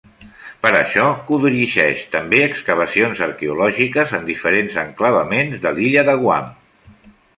Per a això, codirigeix també excavacions arqueològiques en diferents enclavaments de l'illa de Guam.